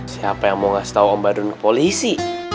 siapa yang mau ngasih tau om badun ke polisi